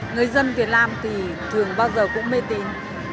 người dân việt nam thì thường bao giờ cũng mê tín